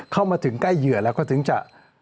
เข้ามาถึงใกล้เหยื่อแล้วก็ถึงจะ